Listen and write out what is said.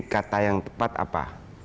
kata yang tepat apa